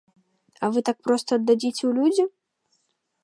А вы так проста аддадзіце ў людзі?